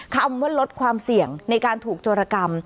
คำว่าลดความเสี่ยงในการถูกโจรกรรม